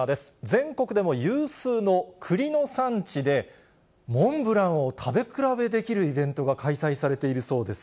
全国でも有数の栗の産地で、モンブランを食べ比べできるイベントが開催されているそうです。